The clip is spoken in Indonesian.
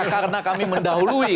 karena kami mendahului